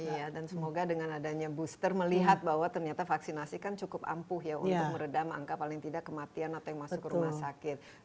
iya dan semoga dengan adanya booster melihat bahwa ternyata vaksinasi kan cukup ampuh ya untuk meredam angka paling tidak kematian atau yang masuk ke rumah sakit